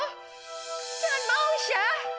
jangan mau mosya